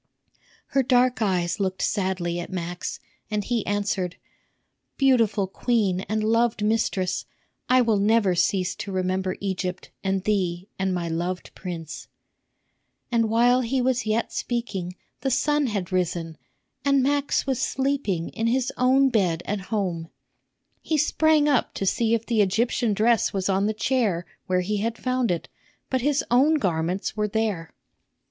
Her dark eyes looked sadly at Max, and he answered, "Beautiful queen and loved mistress, I will never cease to remember Egypt and thee and my loved prince." And while he yet was speaking the sun had risen, and Max was sleeping in his own bed at home. He sprang up to see if the Egyptian dress was on the chair where he had found it, but his own garments were there.